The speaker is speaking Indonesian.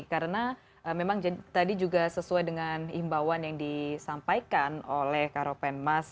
karena memang tadi juga sesuai dengan imbauan yang disampaikan oleh karopenmas